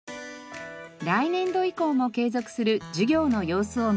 来年度以降も継続する授業の様子を見せてもらいました。